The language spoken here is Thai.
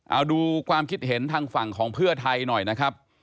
เอาดูความคิดเห็นทางฝั่งของเพื่อไทยหน่อยนะครับ